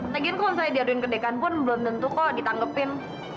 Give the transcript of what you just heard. lagian kalau misalnya diaduin ke dekan pun belum tentu kok ditanggepin